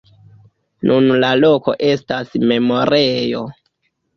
Nun la loko estas memorejo.